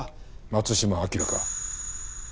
松島明か。